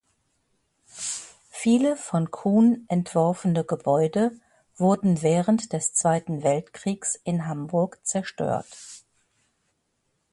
Viele von Kuhn entworfene Gebäude wurden während des Zweiten Weltkriegs in Hamburg zerstört.